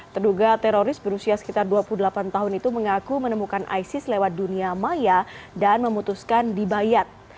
terduga teroris berusia sekitar dua puluh delapan tahun itu mengaku menemukan isis lewat dunia maya dan memutuskan dibayat